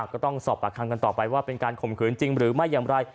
ก็ต้องสอบปากคำกันต่อไปว่าเป็นการข่มขืนจริงหรือไม่อย่างไร